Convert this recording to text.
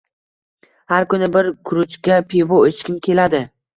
Har kuni bir krujka pivo ichgim keladi